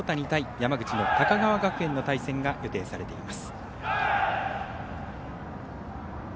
山口の高川学園の対戦が予定されています。